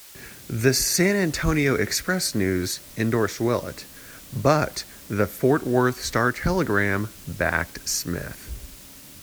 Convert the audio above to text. The "San Antonio Express-News" endorsed Willett, but the "Fort Worth Star-Telegram" backed Smith.